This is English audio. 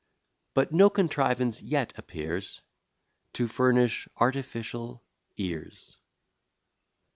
But no contrivance yet appears To furnish artificial ears.